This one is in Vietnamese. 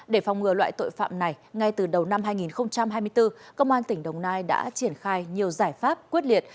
để phòng ngừa loại tội phạm này ngay từ đầu năm hai nghìn hai mươi bốn công an tỉnh đồng nai đã triển khai nhiều giải pháp quyết liệt